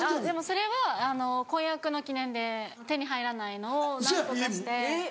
それは婚約の記念で手に入らないのを何とかして。